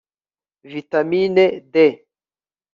Vitamine D